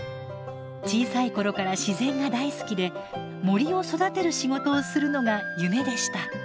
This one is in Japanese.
小さい頃から自然が大好きで森を育てる仕事をするのが夢でした。